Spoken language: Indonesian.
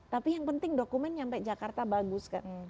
tapi yang penting dokumen nyampe jakarta bagus kan